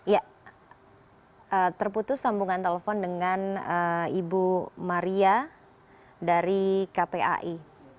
ya terputus sambungan telepon dengan ibu maria dari kpai